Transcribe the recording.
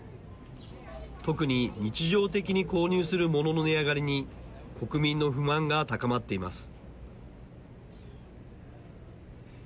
特に日常的に購入するモノの値上がりに国民の不満が高まっています。